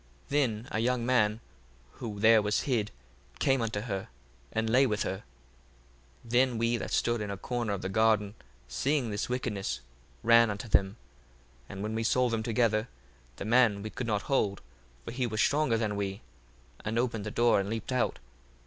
1:37 Then a young man, who there was hid, came unto her, and lay with her. 1:38 Then we that stood in a corner of the garden, seeing this wickedness, ran unto them. 1:39 And when we saw them together, the man we could not hold: for he was stronger than we, and opened the door, and leaped out.